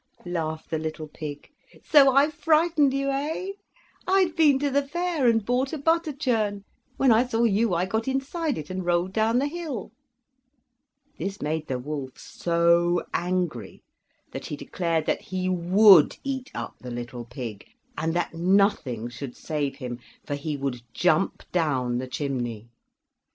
laughed the little pig; "so I frightened you, eh? I had been to the fair and bought a butter churn; when I saw you I got inside it and rolled down the hill." This made the wolf so angry that he declared that he would eat up the little pig, and that nothing should save him, for he would jump down the chimney.